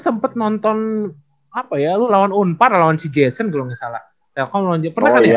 gue sempet nonton apa ya lu lawan unpar atau lawan si jason kalau gak salah telkom lawan jason pernah kan ya